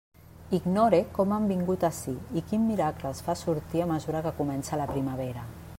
Ignore com han vingut ací i quin miracle els fa sortir a mesura que comença la primavera.